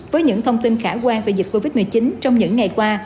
với những thông tin khả quan về dịch covid một mươi chín trong những ngày qua